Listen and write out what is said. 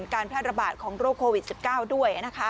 การแพร่ระบาดของโรคโควิด๑๙ด้วย